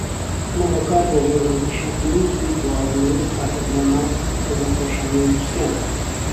ئەمە هۆکار بووە بۆ دەسنیشانکردنی زووی بڵاو بوونەوەی پاشبنەما لەو نەخۆشانەی مەترسیان کەمە.